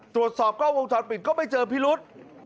ตรวจสอบกล้องวงจรปิดก็ไม่เจอพิรุษ